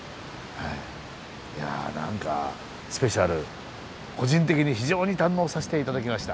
いや何かスペシャル個人的に非常に堪能させて頂きました。